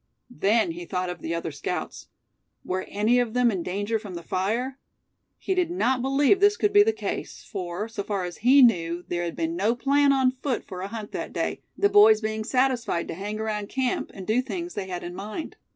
Then he thought of the other scouts. Were any of them in danger from the fire? He did not believe this could be the case, for, so far as he knew, there had been no plan on foot for a hunt that day, the boys being satisfied to hang around camp, and do things they had in mind.